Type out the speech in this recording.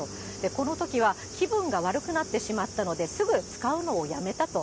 このときは気分が悪くなってしまったので、すぐ使うのをやめたと。